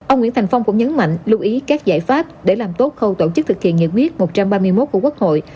ông nguyễn thành phong cũng nhấn mạnh lưu ý các giải pháp để làm tốt khâu tổ chức thực hiện nghị quyết một trăm ba mươi một của quốc hội